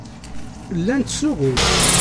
Llan ttsuɣun.